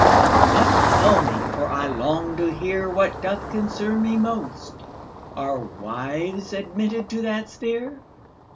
"But tell me, for I long to hearWhat doth concern me most, Are wives admitted to that sphere?"